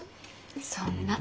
そんな。